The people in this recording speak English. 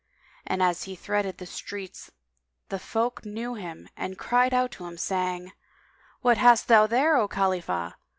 And as he threaded the streets the folk knew him and cried out to him, saying, "What hast thou there, O Khalifah?"